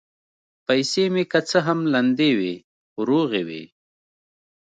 پیسې مې که څه هم لندې وې، خو روغې وې.